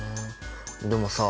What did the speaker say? でもさ。